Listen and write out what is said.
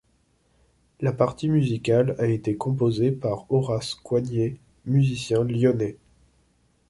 La partie musicale a été composée par Horace Coignet, musicien lyonnais.